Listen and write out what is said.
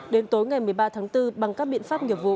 đến tối ngày một mươi ba tháng bốn bằng các biện pháp nghiệp vụ